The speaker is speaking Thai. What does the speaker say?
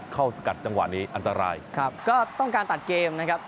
สกัดจังหวะนี้อันตรายครับก็ต้องการตัดเกมนะครับ